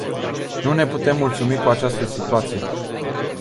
Nu ne putem mulțumi cu această situație.